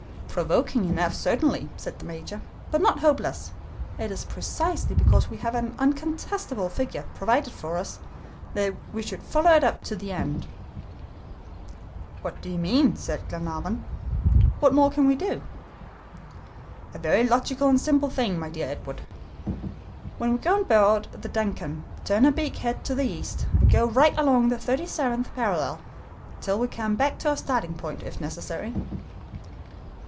"Provoking enough, certainly," said the Major, "but not hopeless. It is precisely because we have an uncontestable figure, provided for us, that we should follow it up to the end." "What do you mean?" asked Glenarvan. "What more can we do?" "A very logical and simple thing, my dear Edward. When we go on board the DUNCAN, turn her beak head to the east, and go right along the thirty seventh parallel till we come back to our starting point if necessary."